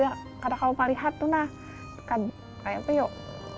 asal kaya apa asal kaya kalau melihat tuh nah kaya apa yuk